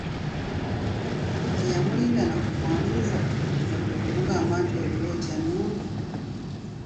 Teyamulinda na kumwaniriza, wadde okumugamba nti, “Oliyo otya nno?"